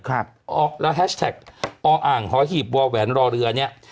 แล้วแฮชแท็กออหหวรรนี้